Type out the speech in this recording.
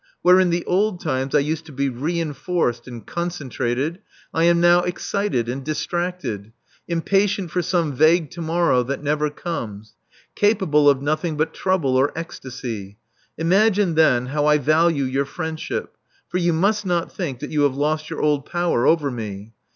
Where in the old time I used to be reinforced and concen trated, I am now excited and distracted ; impatient for some vague to morrow that never comes ; capable of nothing but trouble or ecstasy. Imagine, then, how I value your friendship — for you must not think that you have lost your old power over me.